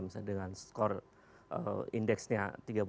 misalnya dengan skor indeksnya tiga puluh